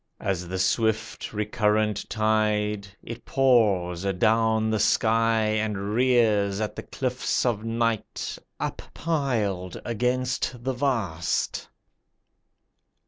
As the swift recurrent tide, It pours adown the sky, And rears at the cliffs of night Uppiled against the vast.